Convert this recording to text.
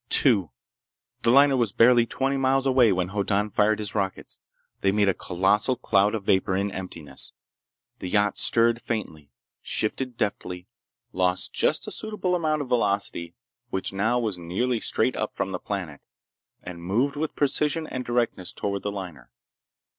Two— The liner was barely twenty miles away when Hoddan fired his rockets. They made a colossal cloud of vapor in emptiness. The yacht stirred faintly, shifted deftly, lost just a suitable amount of velocity—which now was nearly straight up from the planet—and moved with precision and directness toward the liner.